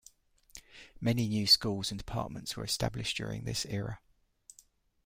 Many new schools and departments were established during this era.